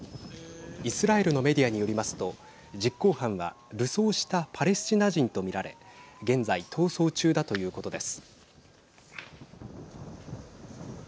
イスラエルのメディアによりますと実行犯は武装したパレスチナ人と見られ現在、逃走中だということです。